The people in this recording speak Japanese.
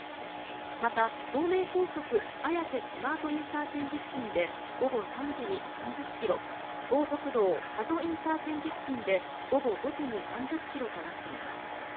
また、東名高速綾瀬スマートＩＣ付近で午後３時に３０ｋｍ東北道加須ＩＣ付近で午後５時に３０ｋｍとなっています。